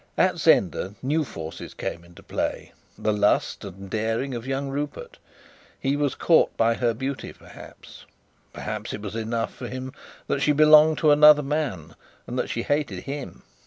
At Zenda new forces came into play the lust and daring of young Rupert. He was caught by her beauty, perhaps; perhaps it was enough for him that she belonged to another man, and that she hated him.